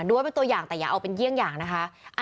ว่าเป็นตัวอย่างแต่อย่าเอาเป็นเยี่ยงอย่างนะคะ